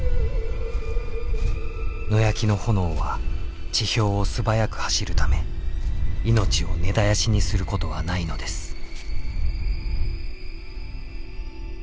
野焼きの炎は地表を素早く走るため命を根絶やしにすることはないのです。